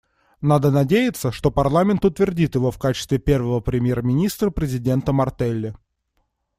Надо надеяться, что парламент утвердит его в качестве первого премьер-министра президента Мартелли.